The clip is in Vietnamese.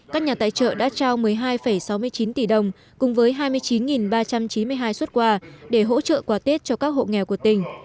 các nhà tài trợ đã trao một mươi hai sáu mươi chín tỷ đồng cùng với hai mươi chín ba trăm chín mươi hai xuất quà để hỗ trợ quà tết cho các hộ nghèo của tỉnh